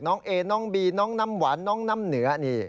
น้องเอน้องบีน้องน้ำหวานน้องน้ำเหนือนี่